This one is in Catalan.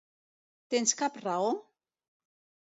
Tens cap raó?